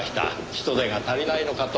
人手が足りないのかと。